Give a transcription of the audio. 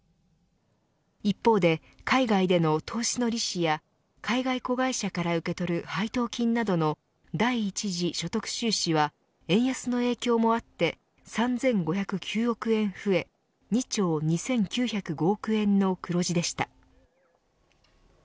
一方で、海外での投資の利子や海外子会社から受け取る配当金などの第１次所得収支は円安の影響もあって３５０９億円増え２兆２９０５億円の黒字でした。